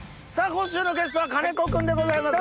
今週のゲストは金子君でございます。